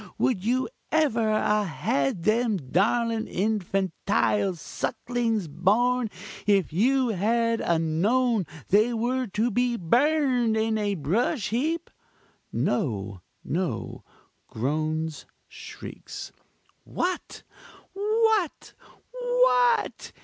would you ever a had them darling infantile sucklings born, if you had a known they were to be burned in a brush heap! (No, no! groans shrieks.) What! what! _what!